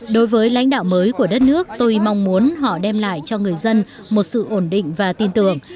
đối với lãnh đạo mới của đất nước tôi mong muốn họ đem lại cho người dân một sự ổn định và tin tưởng